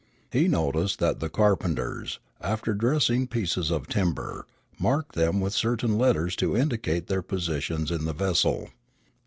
He noticed that the carpenters, after dressing pieces of timber, marked them with certain letters to indicate their positions in the vessel.